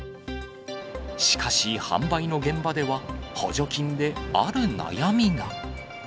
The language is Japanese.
しかし販売の現場では、補助金で、ある悩みが。